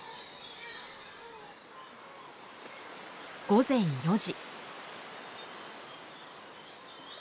午前４時。